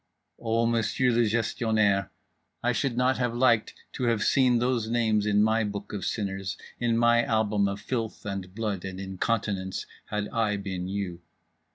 O Monsieur le Gestionnaire, I should not have liked to have seen those names in my book of sinners, in my album of filth and blood and incontinence, had I been you….